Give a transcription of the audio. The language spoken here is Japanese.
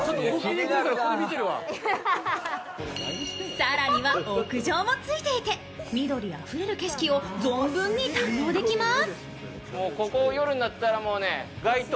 更には、屋上もついていて緑あふれる景色を存分に堪能できます。